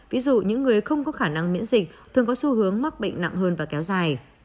ví dụ những người không có khả năng miễn dịch thường có xu hướng mắc bệnh nặng hơn và kéo dài